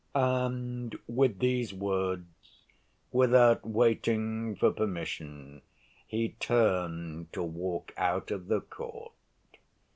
And with these words, without waiting for permission, he turned to walk out of the court.